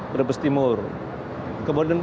brebes timur kemudian